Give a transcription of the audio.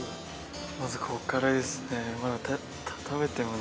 まずここからですね